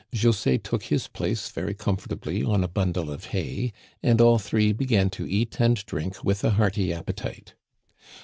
José took his place very comfortably on a bundle of hay, and all three began to eat and drink with a hearty appetite.